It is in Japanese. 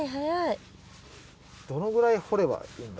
どのぐらい掘ればいいんだ？